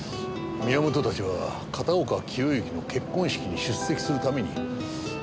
宮本たちは片岡清之の結婚式に出席するために寝台特急